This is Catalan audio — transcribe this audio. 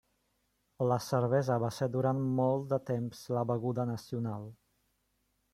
La cervesa va ser durant molt de temps la beguda nacional.